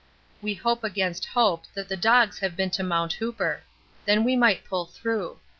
We hope against hope that the dogs have been to Mt. Hooper; then we might pull through.